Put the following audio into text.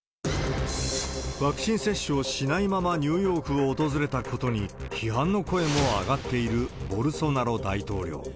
ワクチン接種をしないままニューヨークを訪れたことに、批判の声も上がっているボルソナロ大統領。